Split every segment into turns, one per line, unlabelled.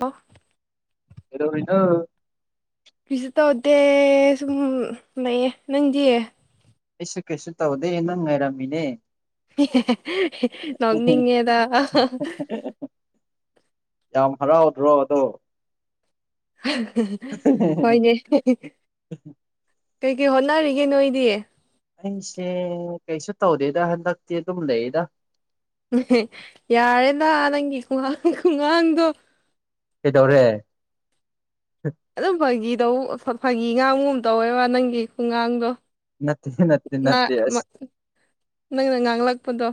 ꯋꯥ
ꯑꯦꯗꯣꯅ
ꯀꯩꯁꯨ ꯇꯧꯗꯦ ꯁꯨꯝ ꯂꯩꯌꯦ ꯅꯪꯗꯤꯌꯦꯦ
ꯑꯦꯁꯨ ꯀꯩꯁꯨ ꯇꯧꯗꯦ ꯅꯪ ꯉꯥꯏꯔꯝꯃꯤꯅꯦ
ꯅꯉꯦꯗ
ꯌꯥꯝ ꯍꯔꯥꯎ ꯊ꯭ꯔꯣꯑꯣ ꯑꯗꯣ
ꯍꯣꯏꯅꯦ ꯀꯩ ꯀꯩ ꯍꯣꯠꯅꯔꯤꯒꯦ ꯅꯣꯏꯗꯤ
ꯑꯩꯁꯦ ꯀꯩꯁꯨ ꯇꯧꯗꯦꯗ ꯍꯟꯗꯛꯇꯤ ꯑꯗꯨꯝ ꯂꯩꯗ
ꯌꯥꯔꯦꯗ ꯅꯪꯒꯤ ꯈꯒꯥꯡ ꯈꯨꯡꯒꯥꯡꯗꯣ
ꯀꯩꯗꯧꯔꯦ
ꯑꯗꯨꯝ ꯐꯥꯒꯤꯗ ꯐꯥꯒꯤ ꯉꯥꯡꯒꯨꯝꯕ ꯇꯧꯋꯦꯕ ꯅꯪꯒꯤ ꯈꯣꯡꯒꯥꯡꯗꯣ
ꯅ ꯅ ꯅꯠꯇ ꯑꯁ
ꯅꯪꯅ ꯉꯥꯡꯂꯛꯄꯗꯣ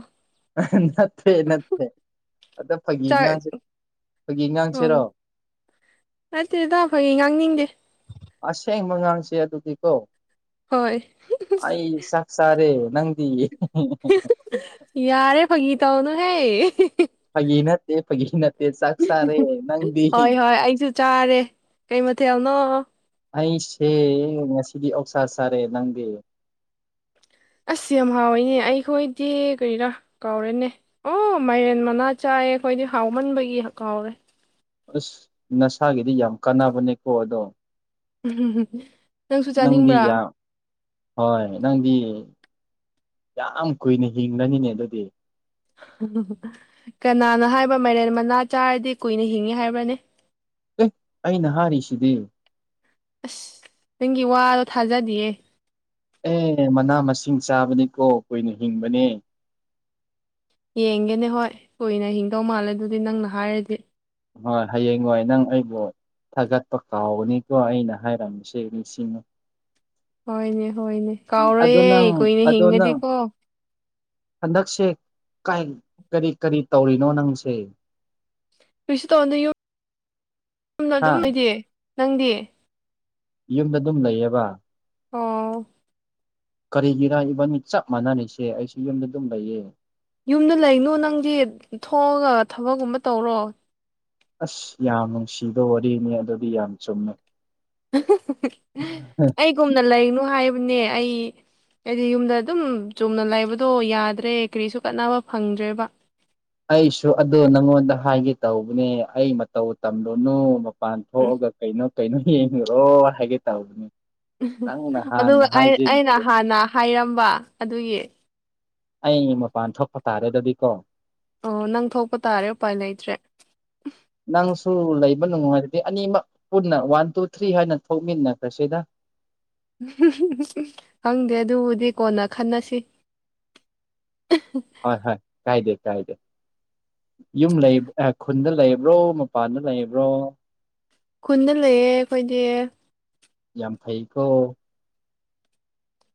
ꯅ ꯅ ꯑꯗ
ꯆꯥꯛ
ꯐꯥꯒꯤꯒꯥꯡꯁꯦ ꯐꯥꯒꯤ ꯉꯥꯡꯁꯤꯔꯣ
ꯑꯣ ꯅꯠꯇꯦꯗ ꯐꯌꯦ ꯉꯥꯡꯅꯤꯡꯗꯦ
ꯑꯁꯦꯡꯕꯉꯥꯡꯁꯦ ꯑꯗꯨꯗꯤꯀꯣ
ꯍꯣꯏ
ꯑꯩ ꯆꯥꯛ ꯆꯥꯔꯦ ꯅꯪꯗꯤ
ꯌꯥꯔꯦ ꯐꯒꯤ ꯇ ꯑꯣꯅꯨꯍꯌꯦ
ꯐꯒꯤꯅꯠꯇꯦ ꯐꯒꯤꯅꯦ
ꯍꯣꯏ ꯍꯣꯏ ꯑꯩꯁꯨ ꯆꯥꯔꯦ ꯀꯩ ꯃꯊꯦꯜꯅꯣ
ꯑꯩꯁꯦ ꯉꯁꯤꯗꯤ ꯑꯣꯛꯁꯥ ꯁꯥꯔꯦ ꯅꯪꯗꯤ
ꯑꯁ ꯌꯥꯝ ꯍꯥꯎꯋꯤꯅꯦ ꯑꯩꯈꯣꯏꯗꯤ ꯀꯔꯤꯔꯥ ꯀꯥꯎꯔꯦꯅꯦ ꯑꯣ ꯃꯥꯏꯔꯦꯟ ꯃꯅꯥ ꯆꯥꯛ ꯍꯥꯏꯌꯦ ꯑꯩꯈꯣꯏꯗꯤ ꯍꯥꯎꯃꯟꯕꯒꯤ ꯀꯥꯎꯔꯦ
ꯑꯁ ꯅꯁꯥꯒꯤꯗꯤ ꯌꯥꯝ ꯀꯥꯟꯅꯕꯅꯦꯀꯣ ꯑꯗꯣ
ꯎ
ꯅꯪꯗꯤ ꯌꯥꯝ ꯍꯣꯏ ꯅꯪꯗꯤ ꯌꯥꯝ ꯀꯨꯏꯅ ꯍꯤꯡꯉꯅꯤꯅꯦ ꯑꯗꯨꯗꯤ
ꯀꯅꯥꯅꯣ ꯍꯥꯏꯕ ꯃꯥꯏꯔꯦꯟ ꯃꯅꯥ ꯆꯥꯔꯗꯤ ꯀꯨꯏꯅ ꯍꯤꯡꯏꯤ ꯍꯥꯏꯕ꯭ꯔꯅꯤ
ꯑꯦ ꯑꯩꯅꯍꯥꯔꯤꯁꯤꯗꯤꯦ
ꯑꯁ ꯅꯪꯒꯤ ꯋꯥꯗꯣ ꯊꯥꯖꯗꯤꯌꯦ
ꯏꯁꯤꯡ ꯆꯥꯕꯅꯤꯀꯣ ꯀꯨꯏꯅ ꯍꯤꯡꯕꯅꯦ
ꯌꯦꯡꯒꯦꯅꯦ ꯍꯣꯏ ꯀꯨꯏꯅ ꯍꯤꯡꯗꯧ ꯃꯥꯜꯂꯦ ꯑꯗꯨꯗꯤ ꯅꯪꯅ ꯍꯥꯏꯔꯗꯤ
ꯍꯣꯏ ꯍꯌꯦꯡ ꯋꯥꯏ ꯅꯪ ꯑꯩꯕꯨꯣ ꯊꯥꯒꯠꯄ ꯀꯥꯎꯒꯅꯤꯀꯣ ꯑꯩꯅ ꯍꯥꯏꯔꯝꯃꯤꯁꯦ ꯅꯤꯡꯁꯤꯡꯅ
ꯍꯣꯏꯅꯦ ꯍꯣꯏꯅꯦ ꯀꯥꯎꯔꯣꯏꯌꯦꯦ
ꯅꯪ
ꯀꯨꯏꯅ
ꯑꯗꯣ ꯅꯪ
ꯍꯤꯡꯉꯗꯤꯀꯣ
ꯍꯟꯗꯛꯁꯦ ꯀꯥꯏ ꯀꯔꯤ ꯀꯔꯤ ꯇꯧꯔꯤꯅꯣ ꯅꯪꯁꯦ
ꯀꯩꯁꯨ ꯇꯧꯗ ꯌꯨꯝ ꯌ
ꯍꯥ
ꯑꯗꯨꯝ ꯑꯣꯏꯗꯤꯦ ꯅꯪꯗꯤ
ꯌꯨꯝꯗ ꯑꯗꯨꯝ ꯂꯩꯌꯦꯕ
ꯑꯣ
ꯀꯔꯤꯒꯤꯔꯥ ꯏꯕꯥꯅꯤ ꯆꯞ ꯃꯥꯟꯅꯔꯤꯁꯦ ꯑꯩꯁꯨ ꯌꯨꯝꯗ ꯑꯗꯨꯝ ꯂꯩꯌꯦ
ꯌꯨꯝꯗ ꯂꯩꯅꯨ ꯅꯪꯗꯤ ꯊꯣꯛꯑꯒ ꯊꯕꯛꯀꯨꯝꯕ ꯇꯧꯔꯣ
ꯑꯁ ꯌꯥꯝ ꯅꯨꯡꯁꯤꯕ ꯋꯥꯔꯤꯅꯤ ꯑꯗꯨꯗꯤ ꯌꯥꯝ ꯆꯨꯝꯃꯦ
ꯑꯩꯒꯨꯝꯅ ꯂꯩꯅꯨ ꯍꯥꯏꯕꯅꯦ ꯑꯩ ꯑꯩꯗꯤ ꯌꯨꯝꯗ ꯑꯗꯨꯝ ꯆꯨꯝꯅ ꯂꯩꯕꯗꯣ ꯌꯥꯗ꯭ꯔꯦ ꯀꯔꯤꯁꯨ ꯀꯥꯟꯅꯕ ꯐꯪꯗ꯭ꯔꯦꯕ
ꯑꯩꯁꯨ ꯑꯗꯨꯗꯣ ꯅꯪꯉꯣꯟꯗ ꯍꯥꯏꯒꯦ ꯇꯧꯕꯅꯦ ꯑꯩ ꯃꯇꯧ ꯇꯝꯂꯨꯅꯨ ꯄꯥꯟ ꯊꯣꯛꯣꯛꯑꯒ ꯀꯩꯅꯣ ꯀꯩꯅꯣ ꯌꯦꯡꯉꯑꯣ ꯍꯥꯏꯒꯦ ꯇꯧꯕꯅꯦ
ꯑꯗꯨꯒ ꯑꯩꯅ ꯍꯥꯟꯅ ꯍꯥꯏꯔꯝꯕ ꯑꯗꯨꯒꯤ
ꯑꯩ ꯃꯄꯥꯟ ꯊꯣꯛꯄ ꯇꯥꯔꯦꯗꯗꯤꯀꯣ
ꯑꯣ ꯅꯪ ꯊꯣꯛꯄ ꯇꯥꯔꯦ ꯎꯄꯥꯏ ꯂꯩꯇ꯭ꯔꯦ
ꯊꯨ ꯂꯩꯕ ꯅꯨꯡꯉꯥꯏꯔꯗꯤ ꯑꯅꯤꯃꯛ ꯄꯨꯟꯅ ꯋꯥꯟ ꯇꯨ ꯊ꯭ꯔꯤ ꯍꯥꯏꯅ ꯊꯣꯛꯃꯤꯟꯅ ꯀ꯭ꯔꯁꯤꯗ
ꯈꯪꯗꯦ ꯑꯗꯨꯕꯨꯗꯤ ꯀꯣꯟꯅ ꯈꯟꯅꯁꯤ
ꯍꯣꯏ ꯍꯣꯏ ꯀꯥꯏꯗꯦ ꯀꯥꯏꯗꯦ ꯌꯨꯝ ꯂꯩ ꯈꯨꯟꯗ ꯂꯩꯕ꯭ꯔꯣ ꯃꯄꯥꯟꯗ ꯂꯩꯕ꯭ꯔꯣ
ꯈꯨꯟꯗ ꯂꯩꯌꯦ ꯑꯩꯈꯣꯏꯗꯤ
ꯌꯥꯝ ꯐꯩꯀꯣ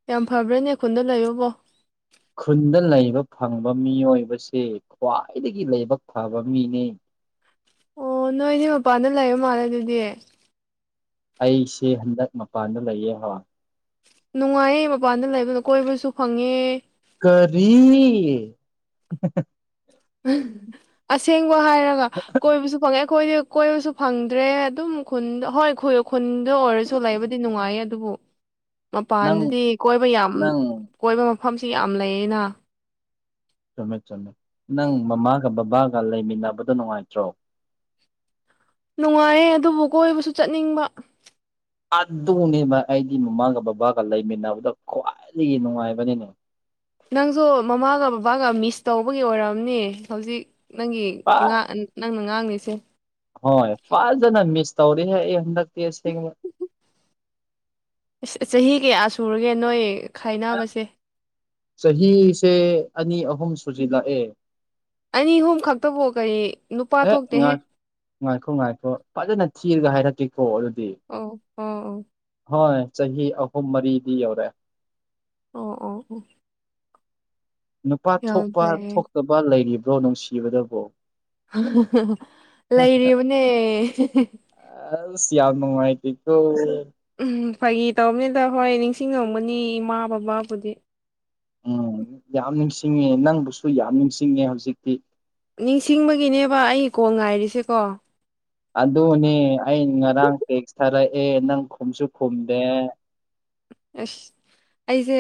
ꯌꯥꯝ ꯐꯕ꯭ꯔꯥꯅꯦ ꯑꯩ ꯈꯨꯟꯗ ꯂꯩꯌꯣꯕꯣ
ꯈꯨꯟꯗ ꯂꯩꯕ ꯐꯪꯕ ꯃꯤꯑꯣꯏꯕꯕꯁꯤꯦ ꯈ꯭ꯋꯥꯏꯗꯒꯤ ꯂꯥꯏꯕꯛ ꯐꯕ ꯃꯤꯅꯤ
ꯑꯣ ꯅꯣꯏꯗꯤ ꯃꯄꯥꯟꯗ ꯂꯩꯕ ꯃꯥꯜꯂꯦ ꯑꯗꯨꯗꯤ
ꯑꯩꯁꯦ ꯍꯟꯗꯛ ꯃꯄꯥꯟꯗ ꯂꯩꯌꯦ ꯍ
ꯅꯨꯡꯉꯥꯏꯌꯦ ꯃꯄꯥꯟꯗ ꯂꯩꯕꯗꯣ ꯀꯣꯏꯕꯁꯨ ꯐꯪꯉꯦ
ꯀꯔꯤ
ꯑꯁꯦꯡꯕ ꯍꯥꯏꯔꯒ ꯀꯣꯏꯕꯁꯨ ꯐꯪꯉꯦ ꯑꯩꯈꯣꯏꯗꯤ ꯀꯣꯏꯕꯁꯨ ꯐꯪꯗ꯭ꯔꯦ ꯑꯗꯨꯝ ꯈꯨꯟꯗ ꯍꯣꯏ ꯈꯨꯟꯗ ꯑꯣꯏꯔꯁꯨ ꯂꯩꯕꯗꯤ ꯅꯨꯡꯉꯥꯏꯌꯦ ꯑꯗꯨꯕꯨ
ꯅꯪ
ꯃꯄꯥꯟꯗꯗꯤ ꯀꯣꯏꯕ ꯌꯥꯝ
ꯅꯪ
ꯀꯣꯏꯕ ꯃꯐꯝꯁꯤ ꯌꯥꯝ ꯂꯩꯌꯦꯅ
ꯆꯨꯝꯃꯦ ꯆꯨꯝꯃꯦ ꯅꯪ ꯃꯃꯥꯒ ꯕꯕꯥꯒ ꯂꯩꯃꯤꯟꯅꯕꯗꯣ ꯅꯨꯡꯉꯥꯏꯇ꯭ꯔꯣ
ꯅꯨꯡꯉꯥꯏꯌꯦꯦ ꯑꯗꯨꯕꯨ ꯀꯣꯏꯕꯁꯨ ꯆꯠꯅꯤꯡꯕ
ꯑ ꯑꯗꯨ ꯎꯅꯦꯕ ꯑꯩꯗꯤ ꯃꯃꯥꯒ ꯕꯕꯥꯒ ꯂꯩꯃꯤꯟꯅꯕꯗ ꯈ꯭ꯋꯥꯏꯗꯒꯤ ꯅꯨꯡꯉꯥꯏꯕꯅꯤꯅꯦ
ꯅꯪꯁꯨ ꯃꯃꯥꯒ ꯕꯕꯥꯒ ꯃꯤꯁ ꯇꯧꯕꯒꯤ ꯑꯣꯏꯔꯝꯅꯦ ꯍꯧꯖꯤꯛ ꯅꯪꯒꯤ
ꯄ
ꯅꯪꯅ ꯉꯥꯡꯂꯤꯁꯦ
ꯍꯣꯏ ꯐꯜꯖꯅ ꯃꯤꯁ ꯇꯧꯔꯤ ꯑꯩ ꯍꯟꯗꯛ ꯁ
ꯑꯁ ꯆꯍꯤ ꯀꯌꯥ ꯁꯨꯔꯒꯦ ꯅꯣꯏ ꯈꯥꯏꯅꯕꯁꯦ
ꯆꯍꯤꯁꯦ ꯑꯅꯤ ꯑꯍꯨꯝ ꯁꯨꯖꯤꯜꯂꯛꯑꯦ
ꯑꯅꯤ ꯑꯍꯨꯝ ꯈꯛꯇꯕꯣ ꯀꯔꯤ ꯅꯨꯄꯥ
ꯑꯦ
ꯊꯣꯛꯇꯦꯍꯦ
ꯉꯥꯏ ꯉꯥꯏꯈꯣ ꯉꯥꯏꯈꯣ ꯐꯖꯅ ꯊꯤꯔꯒ ꯍꯥꯏꯔꯛꯇ ꯑꯣ ꯑꯗꯨꯗꯤ
ꯑꯣ ꯑꯣ ꯑꯣ
ꯍꯣꯏ ꯆꯍꯤ ꯑꯍꯨꯝ ꯃꯔꯤꯗꯤ ꯌꯧꯔꯑꯦ
ꯑꯣ ꯑꯣ ꯑꯣ
ꯅꯨꯄꯥ
ꯌꯥꯝ
ꯊꯣꯛꯄ
ꯐꯩꯌꯦ
ꯊꯣꯛꯇꯕ ꯂꯩꯔꯤꯕ꯭ꯔꯣ ꯅꯨꯡꯁꯤꯕꯗꯕꯣ
ꯂꯩꯔꯤꯕꯅꯦ
ꯑ ꯌꯥꯗꯃ ꯃꯥꯥꯏꯇꯤ ꯇ
ꯎꯝ ꯐꯩ ꯇꯔꯕꯅꯤꯗ ꯍꯣꯏ ꯅꯤꯡꯁꯤꯡꯉꯝꯕꯅꯤ ꯏꯃꯥ ꯕꯕꯥꯕꯨꯗꯤ
ꯎꯝ ꯌꯥꯝ ꯅꯤꯡꯁꯤꯡꯉꯦ ꯅꯪꯕꯨꯁꯨ ꯌꯥꯝ ꯅꯤꯡꯁꯤꯡꯉꯦ ꯍꯧꯖꯤꯛꯇꯤ
ꯅꯤꯡꯁꯤꯡꯕꯒꯤꯅꯦꯕ ꯑꯩ ꯀꯣꯟꯜ ꯉꯥꯏꯔꯤꯁꯦꯀꯣ
ꯑꯗꯨꯅꯦ ꯑꯩ ꯉꯔꯥꯡ ꯇꯦꯛꯁ ꯊꯥꯔꯛꯑꯦ ꯅꯪ ꯈꯨꯝꯁꯨ ꯈꯨꯝꯗꯦ
ꯑꯁ ꯑꯩꯁꯦ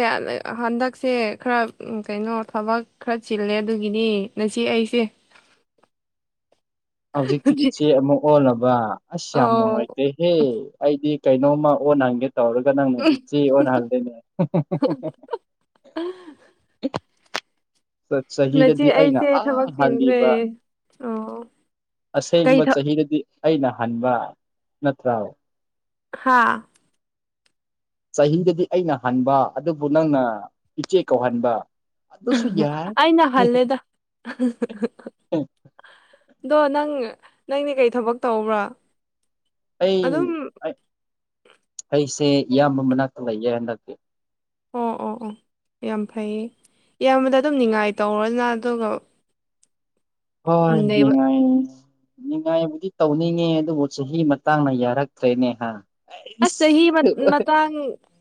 ꯍꯟꯗꯛꯁꯦ ꯈꯔ ꯀꯩꯅꯣ ꯊꯕꯛ ꯈꯔ ꯆꯤꯜꯂꯦ ꯑꯗꯨꯒꯤꯗꯤ ꯉ ꯑꯩꯁꯦ
ꯍꯧꯖꯤꯛꯇꯤ ꯏꯆꯦ ꯑꯃꯨꯛ ꯑꯣꯜꯂꯕ ꯑꯁ ꯌꯥꯝ
ꯑꯧ
ꯅꯨꯡꯉꯥꯏꯇꯦꯍꯦ ꯑꯩꯗꯤ ꯀꯩꯅꯣꯝꯃ ꯑꯣꯟꯍꯟꯒꯦ ꯇꯧꯔꯒ ꯅꯪꯅ ꯏꯆꯦ ꯑꯣꯟꯍꯟꯗꯣꯏꯅꯦ
[unintelligible] ꯅꯆꯦ
ꯆꯍꯤꯗꯗꯤ ꯑꯩꯅ
ꯑꯩꯁꯦ ꯊꯕꯛ
ꯑ
ꯆꯤꯟꯈ꯭ꯔꯦ
ꯍꯜꯂꯤꯕ
ꯑꯣ ꯀꯩ
ꯑꯁꯦꯡꯕ
ꯊ
ꯆꯍꯤꯗꯗꯤ ꯑꯩꯅ ꯍꯟꯕ ꯅꯠꯇ꯭ꯔꯥꯎ
ꯍꯥꯥ
ꯆꯍꯤꯗꯗꯤ ꯑꯩꯅ ꯍꯟꯕ ꯑꯗꯨꯕꯨ ꯅꯪꯅ ꯏꯆꯦ ꯀꯧꯍꯟꯕ ꯑꯗꯨꯁꯨ ꯌꯥꯏ
ꯑꯩꯅ ꯍꯜꯂꯦꯗ ꯑꯗꯣ ꯅꯪ ꯅꯪꯗꯤ ꯀꯩ ꯊꯕꯛ ꯇꯧꯕ꯭ꯔꯥ
ꯑꯩ
ꯑꯗꯨꯝ
ꯑꯩꯁꯦ ꯏꯌꯥꯝꯕ ꯃꯅꯥꯛꯇ ꯂꯩꯌꯦꯦ ꯍꯟꯗꯛꯀꯤ
ꯑꯣ ꯑꯣ ꯑꯣ ꯌꯥꯝ ꯐꯩꯌꯦ ꯏꯌꯥꯝꯕꯗ ꯑꯗꯨꯝ ꯉꯥꯏ ꯇꯧꯔꯅ ꯑꯗꯨꯒ ꯅꯩꯕ
ꯍꯉ ꯅꯤꯡꯉꯥꯏꯕꯨꯗꯤ ꯇꯧꯅꯤꯡꯉꯦ ꯑꯗꯨꯕꯨ ꯆꯍꯤ ꯃꯇꯥꯡꯅ ꯌꯥꯔꯛꯇ꯭ꯔꯦꯅꯦꯍ
ꯑꯁ ꯆꯍꯤ ꯃꯇꯥꯡ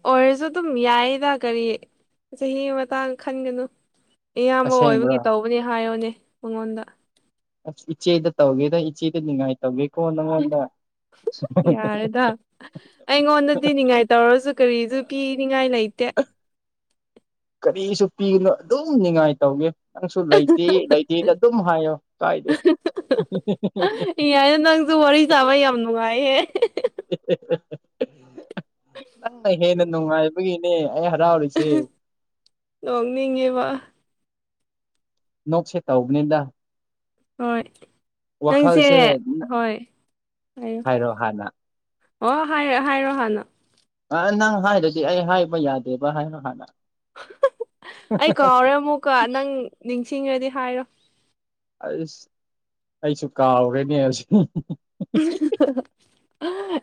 ꯑꯣꯏꯔꯁꯨ ꯎꯝ ꯌꯥꯏꯌꯦꯗ ꯀꯔꯤ ꯆꯍꯤ ꯃꯇꯥꯡ ꯈꯟꯒꯅꯨ ꯏꯌꯥꯝꯕ
ꯑꯁꯦꯡꯕ꯭ꯔꯣ
ꯑꯣꯏꯕꯒꯤ ꯇꯧꯕꯅꯦ ꯍꯥꯏꯌꯣꯅꯦ ꯃꯉꯣꯟꯗ
ꯏꯆꯦꯗ ꯇꯧꯒꯦꯗ ꯏꯆꯗ ꯅꯤꯡꯉꯥꯏ ꯇꯧꯦꯣ ꯅꯪꯗ
ꯌꯥꯔꯦꯗ ꯑꯩꯉꯣꯟꯗꯗꯤ ꯅꯤꯡꯉꯥꯏ ꯇꯧꯔꯁꯨ ꯀꯔꯤꯁꯨ ꯄꯤꯅꯤꯡꯉꯥꯏ ꯂꯩꯇꯦ [inaudible]
ꯀꯔꯤꯁꯨ ꯄꯤꯒꯅꯨ ꯑꯗꯨꯝ ꯉꯥꯏ ꯇꯧꯒꯦ ꯅꯪꯁꯨ ꯂꯩꯇꯦ ꯂꯩꯇꯦꯗ ꯑꯗꯨꯝ ꯍꯥꯏꯌꯣ ꯀꯥꯏꯗꯦ
ꯌꯥꯏꯅ ꯅꯪꯁꯨ ꯋꯥꯔꯤ ꯆꯕ ꯌꯥꯝ ꯂꯅꯨꯡꯉꯥꯏꯑꯦ
[inaudible] ꯅꯪꯅ ꯍꯦꯟꯅ ꯅꯨꯡꯉꯥꯏꯕꯒꯤꯅꯦ ꯑꯩ ꯍꯔꯥꯎꯔꯤꯁꯦ
ꯅꯣꯛꯅꯤꯡꯉꯤꯕ
ꯅꯣꯛꯁꯦ ꯇ ꯑꯣꯒꯅꯤꯗ
ꯍꯣꯏ ꯅꯪꯁꯦ ꯍꯣꯏ ꯍꯥꯏꯌꯨ
ꯍꯥꯏꯔꯣ ꯍꯥꯟꯅ
ꯑꯣ ꯍꯥꯏꯔ ꯍꯥꯏꯔꯣ ꯍꯥꯟꯅꯣ
ꯑ ꯅꯪ ꯍꯥꯏꯔꯗꯤ ꯑꯩ ꯍꯥꯏꯕ ꯌꯥꯗꯦꯕ ꯍꯥꯏꯅꯣ ꯍꯥꯟꯅ
ꯑꯩ ꯀꯥꯎꯔꯦ ꯑꯃꯨꯛꯀ ꯅꯪ ꯅꯤꯡꯁꯤꯡꯉ꯭ꯔꯗꯤ ꯍꯥꯏꯔꯣ
ꯑꯩꯁꯨ ꯀꯥꯎꯔꯦꯅꯦ ꯍꯧꯖꯤꯛ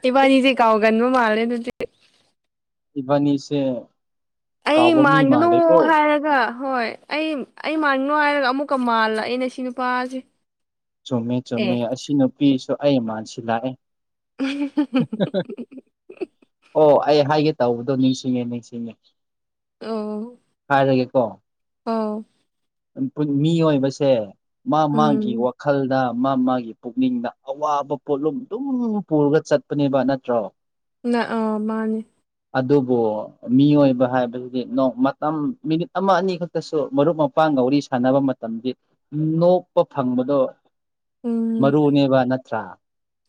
ꯏꯕꯥꯅꯤꯁꯦ ꯀꯥꯎꯒꯟꯕ ꯃꯥꯜꯂꯦ ꯑꯗꯨꯗꯤ
ꯕꯅꯤꯁꯦ
ꯑꯩ ꯃꯥꯟꯒꯅꯨ ꯍꯥꯏꯔꯒ ꯍꯣꯏ ꯑꯩ ꯑꯩ ꯃꯥꯟꯅꯤꯡꯅꯣ ꯍꯥꯏꯔꯒ ꯑꯃꯨꯛꯀ ꯃꯥꯜꯂꯛꯏꯅꯦ ꯁꯤ ꯅꯨꯄꯥꯁꯦ
ꯆꯨꯝꯃꯦ ꯆꯨꯝꯃꯦ
ꯑꯦ
ꯑꯁꯤ ꯅꯨꯄꯤꯁꯨ ꯑꯩ ꯃꯥꯥꯟꯁꯤ ꯂꯥꯛꯑꯦ
[inaudible]
ꯑꯣ ꯑꯩ ꯍꯥꯏꯒꯦ ꯇꯧꯕꯗꯣ ꯅꯤꯡꯁꯤꯡꯉꯦ ꯅꯤꯡꯁꯤꯡꯉꯦ
ꯑ ꯑꯥꯎ
ꯃꯤꯏꯕꯁꯦ ꯃꯥ ꯃꯥꯒꯤ
ꯎꯝ
ꯋꯥꯈꯜꯗ ꯃꯥ ꯃꯥꯒꯤ ꯄꯨꯛꯅꯤꯡꯗ ꯑꯋꯥꯕ ꯄꯣꯠꯂꯨꯝ ꯑꯗꯨꯝ ꯄꯨꯔꯒ ꯆꯠꯄꯅꯦꯕ ꯅꯠꯇ꯭ꯔꯣ
ꯅ ꯑꯥ ꯃꯥꯅꯦ
ꯑꯗꯨꯕꯨ ꯃꯤꯑꯣꯏꯕ ꯍꯥꯏꯕꯁꯤꯗꯤ ꯃꯇꯝ ꯃꯤꯅꯤꯠ ꯑꯃ ꯑꯅꯤ ꯈꯛꯇꯁꯨ ꯃꯔꯨꯞ ꯃꯄꯥꯡꯒꯧꯔꯤ ꯁꯥꯟꯅꯕ ꯃꯇꯝꯗ ꯅꯣꯛꯄ ꯐꯪꯕꯗꯣ
ꯎꯝ
ꯃꯔꯨꯅꯦꯕ ꯅꯠꯇ꯭ꯔꯥ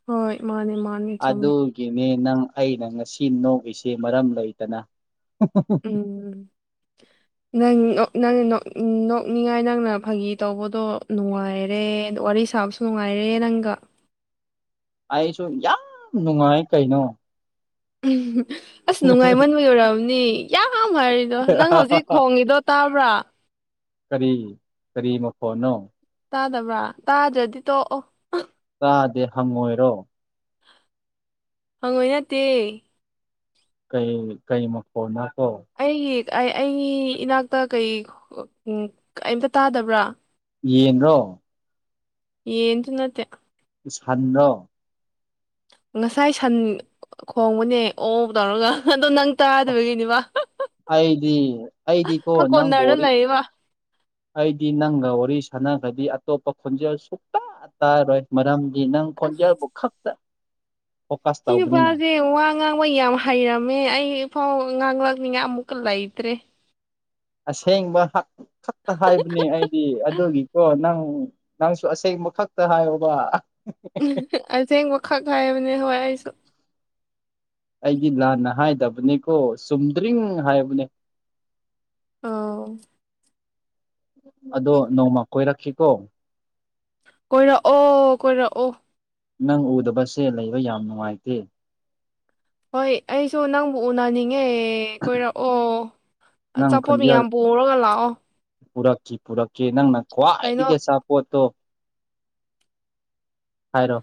ꯍꯣꯏ ꯃꯥꯅꯤ ꯃꯥꯅꯤ ꯆꯨꯝꯃꯤ
ꯑꯗꯨꯒꯤꯅꯦ ꯅꯪ ꯑꯩꯅ ꯉꯁꯤ ꯅꯣꯛꯂꯤꯁꯤꯦ ꯃꯔꯝ ꯂꯩꯇꯅ
ꯎꯝ ꯅꯪ ꯅꯪꯅ ꯅꯣꯛꯅꯤꯡꯉꯥꯏ ꯅꯪꯅ ꯐꯥꯒꯤ ꯇꯧꯕꯗꯣ ꯅꯨꯡꯉꯥꯏꯔꯦ ꯑ ꯋꯥꯔꯤ ꯁꯥꯕꯁꯨ ꯅꯨꯡꯉꯥꯏꯔꯦ ꯄꯂꯌꯦꯅꯒ
ꯑꯩꯁꯨ ꯌꯥꯝ ꯅꯨꯡꯉꯥꯏ ꯀꯩꯅꯣ
ꯎꯝ ꯑꯁ ꯅꯨꯡꯉꯥꯏꯃꯟꯕꯒꯤ ꯑꯣꯏꯔꯕꯅꯤ ꯌꯥꯝ ꯍꯥꯏꯔꯤꯗꯣ ꯅꯪ ꯍꯧꯖꯤꯛ ꯈꯣꯡꯉꯤꯗꯣ ꯇꯥꯕ꯭ꯔꯥ
ꯀꯔꯤ ꯀꯔꯤ ꯃ ꯐꯣꯟꯅꯣ
ꯇꯥꯗꯕ꯭ꯔꯥ ꯇꯥꯗ꯭ꯔꯗꯤ ꯇꯣꯛꯑꯣ
ꯇꯥꯗꯦ ꯍꯪꯉꯣꯏꯔꯣ
ꯍꯪꯉꯣꯏ ꯅꯠꯇꯦ
ꯀꯩ ꯀꯩ ꯃ ꯐꯣꯟꯅ
ꯑꯩꯒꯤ ꯑꯩꯒꯤ ꯏꯅꯥꯛꯇ ꯀꯩ ꯀꯝꯇ ꯇꯥꯗꯕ꯭ꯔꯥ
ꯌꯦꯟꯔꯣ
ꯌꯦꯟ ꯇ ꯅꯠꯇꯦ
ꯁꯥꯟꯅ
ꯉꯁꯥꯏ ꯁꯟ ꯈꯣꯡꯕꯅꯦ ꯑꯣ ꯇꯧꯔꯒ ꯑꯣ ꯅꯪ
ꯑꯣ
ꯇꯥꯗꯕꯒꯤꯅꯤꯕ
ꯑꯩꯗꯤ ꯑꯩꯗꯤꯀꯣ ꯅꯪꯕꯨ
ꯀꯣꯟꯅꯔꯗ
ꯋꯥꯔꯤ
ꯂꯩꯌꯦꯕ
ꯑꯩꯗꯤ ꯅꯪꯒ ꯋꯥꯔꯤ ꯁꯥꯟꯅꯈ꯭ꯔꯗꯤ ꯑꯇꯣꯞꯄ ꯈꯣꯟꯖꯦꯜ ꯁꯨꯛꯇ ꯇꯥꯔꯔꯣꯏ ꯃꯔꯝꯗꯤ ꯅꯪ
ꯑꯁ
ꯈꯣꯟꯖꯎꯕꯕꯨꯛ ꯈꯛꯇ ꯐꯣꯀꯁ
ꯁꯤ
ꯇꯧꯕꯅꯤꯅ
ꯅꯨꯄꯥꯁꯦ ꯋꯥ ꯉꯥꯡꯕ ꯌꯥꯝ ꯍꯩꯔꯝꯃꯦ ꯑꯩꯐꯥꯎ ꯉꯥꯡꯂꯛꯅꯤꯉꯥꯏ ꯑꯃꯨꯛꯀ ꯂꯩꯇ꯭ꯔꯦ
ꯑꯁꯦꯡꯕ ꯈꯛꯇ ꯍꯥꯏꯕꯅꯦ ꯑꯩꯗꯤ ꯑꯗꯨꯒꯤꯀꯣ ꯅꯪ ꯎꯝ ꯅꯪꯁꯨ ꯑꯁꯦꯡꯕ ꯈꯛꯇ ꯍꯥꯏꯌꯣꯕ
ꯑꯁꯦꯡꯕꯈꯛ ꯍꯥꯏꯕꯅꯦ ꯍꯣꯏ ꯑꯩꯁꯨ
ꯑꯩꯗꯤ ꯂꯥꯟꯅ ꯍꯥꯏꯗꯕꯅꯦꯀꯣ ꯆꯨꯝꯗ꯭ꯔꯤꯡ ꯍꯥꯏꯕꯅꯦ
ꯑꯥꯎ
ꯑꯗꯣ ꯅꯣꯡꯃ ꯀꯣꯏꯔꯛꯈꯤꯀꯣ
ꯀꯣꯏꯔꯛꯑꯣ ꯀꯣꯏꯔꯛꯑꯣ
ꯅꯪ ꯎꯗꯕꯁꯦ ꯂꯩꯕ ꯌꯥꯝ ꯅꯨꯡꯉꯥꯏꯇꯦ
ꯍꯣꯏ ꯑꯩꯁꯨ ꯅꯪꯕꯨ ꯎꯅꯅꯤꯡꯉ ꯍ ꯀꯣꯏꯔꯛꯑꯣ
ꯅꯪ
ꯑꯆꯥꯄꯣꯠ ꯃꯤ
ꯈꯣꯟꯖꯦꯜ
ꯌꯥꯝ ꯄꯨꯔꯒ ꯂꯥꯛꯑꯣ
ꯄꯨꯔꯛꯈꯤ ꯄꯨꯔꯛꯈꯤ ꯅꯪꯅ
ꯀꯩꯅꯣ
ꯈ꯭ꯋꯥꯏꯗꯒꯤ ꯑꯆꯥꯄꯣꯠꯇꯣ ꯍꯥꯏꯔꯣ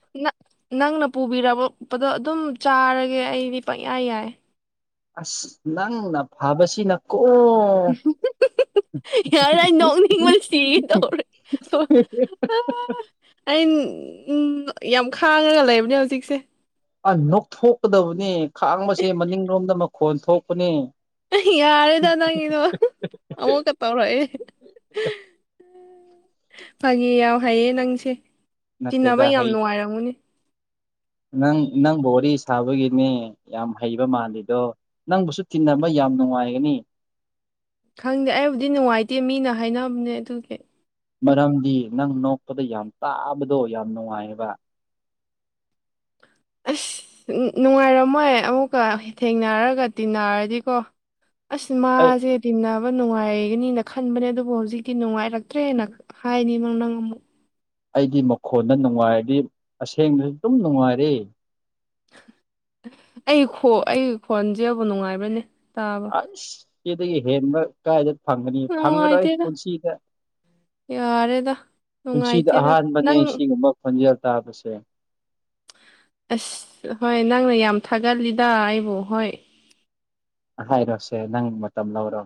ꯅꯪꯅ ꯄꯨꯕꯤꯔꯛꯄꯗꯣ ꯑꯗꯨꯝ ꯆꯥꯔꯒꯦ ꯑꯩꯗꯤ ꯄꯪꯌꯥ ꯌꯥꯏ
ꯑꯁ ꯅꯪꯅ ꯐꯕꯁꯤꯅ ꯀꯣ
ꯌꯥꯔ ꯅꯣꯡꯅꯤ ꯍ ꯃꯥ ꯁꯤꯒ ꯇꯧꯔꯦ ꯣ ꯑ ꯎꯝ ꯌꯥꯝ ꯈꯥꯡꯉꯒ ꯂꯩꯕꯅꯦ ꯍꯧꯖꯤꯛꯁꯦ
ꯑ ꯅꯣꯛꯊꯣꯛꯀꯗꯕꯅꯤ ꯈꯥꯡꯕꯁꯦ ꯃꯅꯤꯡꯂꯣꯝꯗ ꯃꯈꯣꯟ ꯊꯣꯛꯄꯅꯤ
ꯌꯥꯔꯦꯗ ꯅꯪꯒꯤꯗꯣ ꯑꯃꯨꯛꯀ ꯇꯥꯎꯔꯛꯑꯦ ꯐꯒꯤꯦ ꯌꯥꯝ ꯍꯩꯌꯦ ꯅꯪꯁꯦ ꯆꯤꯟꯅꯕ
ꯅꯠꯇꯦꯗ
ꯌꯥꯝ
ꯍꯩ
ꯅꯨꯡꯉꯥꯏꯔꯝꯃꯨꯅꯦ
ꯅꯪ ꯅꯪꯕꯨ ꯋꯥꯔꯤ ꯁꯥꯕꯒꯤꯅꯦ ꯌꯥꯝ ꯍꯩꯕ ꯃꯥꯜꯂꯤꯗꯣ ꯅꯪꯕꯨꯁꯨ ꯊꯤꯟꯅꯕ ꯃꯑꯒꯅꯤ
ꯈꯪꯗꯦ ꯑꯩꯕꯨꯗꯤ ꯅꯨꯡꯉꯥꯏꯇꯦ ꯃꯤꯅ ꯍꯥꯏꯅꯕꯅꯦ ꯑꯗꯨꯒꯤ
ꯃꯔꯝꯗꯤ ꯅꯪ ꯅꯣꯛꯄꯗ ꯌꯥꯝ ꯇꯥꯕꯗꯣ ꯌꯥꯝ ꯅꯨꯡꯉꯥꯏꯑꯕ
ꯑꯁ ꯅꯨꯡꯉꯥꯏꯔꯝꯃꯣꯏ ꯑꯃꯨꯛꯀ ꯊꯦꯡꯅꯔꯒ ꯇꯤꯟꯅꯔꯗꯤꯀꯣ
ꯑꯩ
ꯑꯁꯃꯖꯦꯗꯤꯅꯥ ꯅꯨꯡꯉꯥꯏꯒꯅꯤꯅ ꯈꯟꯕꯅꯦ ꯑꯗꯨꯕꯨ ꯍꯧꯖꯤꯛꯇꯤ ꯅꯨꯡꯉꯥꯏꯔꯛꯇ꯭ꯔꯦꯅ ꯍꯥꯏꯅꯤ ꯅꯪ ꯅꯪ ꯑꯃꯨꯛ
ꯑꯩꯗꯤ ꯃꯈꯣꯟꯗ ꯅꯨꯡꯉꯥꯏꯔꯗꯤ ꯑꯁꯦꯡꯕꯗꯨꯁꯨ ꯑꯗꯨꯝ ꯅꯨꯡꯉꯥꯏꯔꯦ
ꯑꯩ ꯑꯩ ꯈꯣꯟꯁꯦꯕꯨ ꯅꯨꯡꯉꯥꯏꯕꯅꯦ
ꯑꯁ ꯁꯤꯗꯒꯤ ꯍꯦꯟꯕ ꯀꯥꯏꯗ ꯐꯪꯒꯅꯤ ꯐꯪꯉꯔꯣꯏ
ꯅꯨꯡꯉꯥꯏꯇꯦꯗ
ꯄꯨꯟꯁꯤꯗ
ꯌꯥꯔꯦꯗ
ꯄꯨꯟꯁꯤꯗ
ꯅꯨꯡꯉꯥꯏꯇꯦꯗ
ꯑꯍꯥꯟꯕꯅꯦ
ꯅꯪ
ꯁꯤꯒꯨꯝꯕ ꯈꯟꯖꯔꯛ ꯇꯥꯕꯁꯦ
ꯑꯁ ꯍꯣꯏ ꯅꯪꯅ ꯌꯥꯝ ꯊꯥꯒꯠꯂꯤꯗ ꯑꯩꯕꯨ ꯍꯣꯏ
ꯍꯥꯏꯔꯣꯁꯦ ꯅꯪ ꯃꯇꯝ ꯂꯧꯔꯣ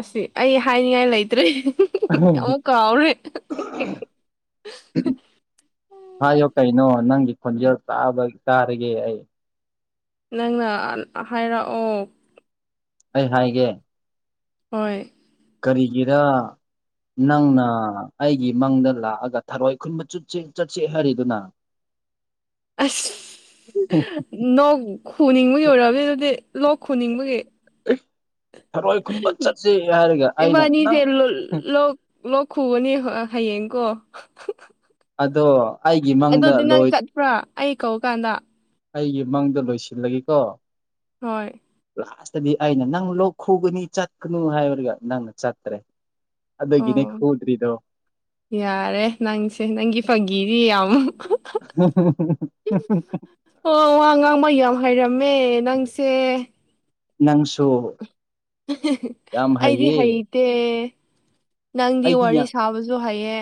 ꯑꯁꯤ ꯑꯩ ꯍꯥꯏꯅꯤꯡꯉꯥꯏ ꯂꯩꯇ꯭ꯔꯦ ꯑꯃꯨꯛ ꯀꯥꯎꯔꯦ
ꯍꯥꯏꯌꯣ ꯀꯩꯅꯣ ꯅꯪꯒꯤ ꯈꯣꯟꯖꯦꯜ ꯆꯥꯕ ꯆꯥꯔꯒꯦ ꯑꯩ
ꯅꯪꯅ ꯍꯥꯏꯔꯛꯑꯣ
ꯑꯩ ꯍꯥꯏꯒꯦ
ꯍꯣꯏ
ꯀꯔꯤꯒꯤꯔ ꯅꯪꯅ ꯑꯩꯒꯤ ꯃꯪꯗ ꯂꯥꯛꯑꯒ ꯊꯔꯣꯏ ꯈꯨꯟꯕ ꯆꯠꯁꯦ ꯍꯥꯏꯔꯤꯗꯨꯅ
[unintelligible] ꯑꯁ ꯅꯣꯛ ꯈꯨꯅꯤꯡꯕ ꯌꯣꯏꯔꯑꯃꯦ ꯑꯗꯨꯗꯤ ꯂꯣꯛ ꯈꯨꯣꯟꯅꯤꯡꯕꯒꯤ
ꯊꯔꯣꯏ ꯈꯨꯟꯕ ꯆꯠꯁꯤ ꯍꯥꯏꯔꯒ ꯑꯩꯅ ꯅꯪ
ꯈꯨꯕꯅꯤ ꯍꯌꯦꯡ ꯀꯣ
ꯑꯗꯣ ꯑꯩꯒꯤ ꯃꯪꯗ ꯂꯣꯏ
ꯆꯠꯄ꯭ꯔꯥ ꯑꯩ ꯀꯧꯀꯥꯟꯗ
ꯑꯩꯒꯤ ꯃꯪꯗ ꯂꯣꯏꯁꯤꯜꯂꯒꯦꯀꯣ
ꯍꯣꯏ
ꯂꯥꯁꯇꯗꯤ ꯑꯩꯅ ꯅꯪ ꯂꯣꯛ ꯈꯨꯒꯅꯤ ꯆꯠꯀꯅꯨ ꯍꯥꯏꯕꯔꯒ ꯅꯪꯅ ꯆꯠꯇ꯭ꯔꯦ ꯑꯗꯨꯒꯤꯅꯦ
ꯑꯣ
ꯈꯨꯗ꯭ꯔꯤꯗꯣ
ꯌꯥꯔꯦ ꯅꯪꯁꯦ ꯅꯪꯒꯤ ꯐꯪꯒꯤꯗꯤ ꯌꯥꯝ ꯑꯣ ꯋꯥ ꯉꯥꯡꯕ ꯌꯥꯝ ꯍꯩꯔꯝꯃꯦ ꯅꯪꯁꯦ
ꯅꯪꯁꯨ ꯌꯥꯝ
ꯑꯩꯗꯤ
ꯍꯩꯌꯦ
ꯍꯩꯇꯦ ꯅꯪꯗꯤ
ꯑꯩꯗꯤ
ꯋꯥꯔꯤ
ꯌꯥꯝ
ꯁꯥꯕꯁꯨ ꯍꯩꯌꯦ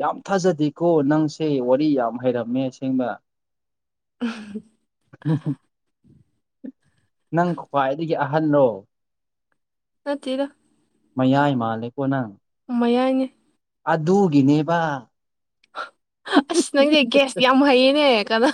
ꯌꯥꯝ ꯊꯥꯖꯗꯦꯀꯣ ꯅꯪꯁꯦ ꯋꯥꯔꯤ ꯌꯥꯝ ꯍꯩꯔꯝꯃꯦ ꯁꯦꯡꯕ
[unintelligible]
ꯅꯪ ꯈ꯭ꯋꯥꯏꯗꯒꯤ ꯑꯍꯜꯂꯣ
ꯅꯠꯇꯦꯗꯥ
ꯃꯌꯥꯏ ꯃꯥꯜꯂꯦꯀꯣ ꯅꯪ
ꯃꯌꯥꯏ
ꯑꯗꯨꯗꯒꯅꯦꯦꯕ
ꯑꯁ ꯅꯪꯁꯦ ꯒꯦꯁ ꯌꯥꯝ ꯍꯩꯌꯦꯅꯦ ꯀꯅꯥ